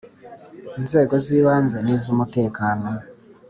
Inzego z ibanze n iz’ umutekano.